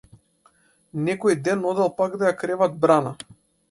Некој ден одел пак да ја креват брана.